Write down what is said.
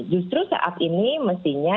justru saat ini mestinya